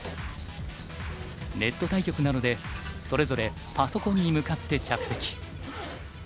ネット対局なのでそれぞれパソコンに向かって着席。